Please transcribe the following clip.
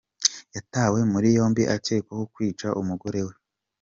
Yatawe muri yombi akekwaho kwica umugore we